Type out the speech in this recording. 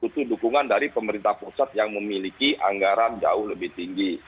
butuh dukungan dari pemerintah pusat yang memiliki anggaran jauh lebih tinggi